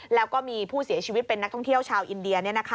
แล้วก็มีผู้เสียชีวิตเป็นนักท่องเที่ยวชาวอินเดีย